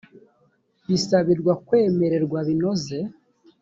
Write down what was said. bisabirwa kwemererwa binoze